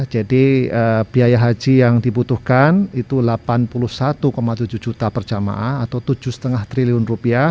jadi biaya haji yang dibutuhkan itu rp delapan puluh satu tujuh juta per jama'a atau rp tujuh lima triliun